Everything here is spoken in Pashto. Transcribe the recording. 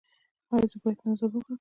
ایا زه باید نذر ورکړم؟